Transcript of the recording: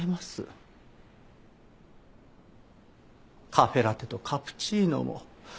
カフェラテとカプチーノも不倫と。